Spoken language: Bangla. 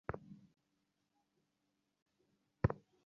ফুটবল নিয়ে আরবের সাধারণ মানুষের মধ্যেও আবেগের কমতি নেই।